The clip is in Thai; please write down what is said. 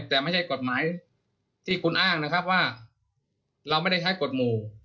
แต่ไม่ใช่กฎหมายที่คุณอ้างนะครับว่าเราไม่ได้ใช้กฎหมู่